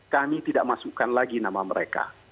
kami tidak masukkan lagi nama mereka